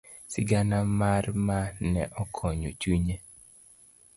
Sigana mar Ma ne okonyo chunye.